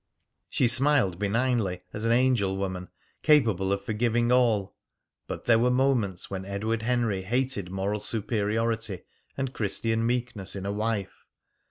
She smiled benignly, as an angel woman, capable of forgiving all. But there were moments when Edward Henry hated moral superiority and Christian meekness in a wife.